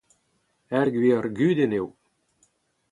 Ur gwir gudenn eo.